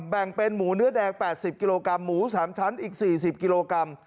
แบ่งเป็นหมูเนื้อแดง๘๐กิโลกรัมหมู๓ชั้นอีก๔๐กิโลกรัม